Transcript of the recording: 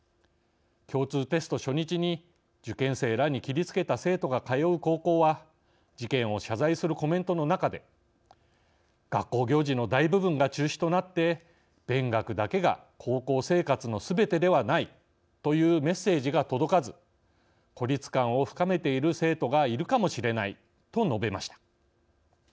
共通テスト初日に、受験生らに切りつけた生徒が通う高校は事件を謝罪するコメントの中で「学校行事の大部分が中止となって、勉学だけが高校生活のすべてではないというメッセージが届かず孤立感を深めている生徒がいるかもしれない」と述べました。